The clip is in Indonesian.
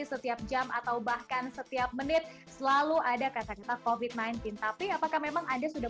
setiap jam atau bahkan setiap menit selalu ada kata kata covid sembilan belas tapi apakah memang anda sudah